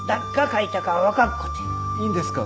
いいんですか？